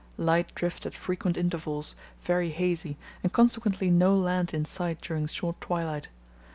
Light drift at frequent intervals, very hazy, and consequently no land in sight during short twilight.